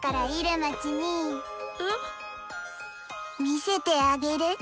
見せてあげる。